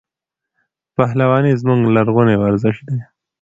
پهلواني زموږ لرغونی ورزش دی.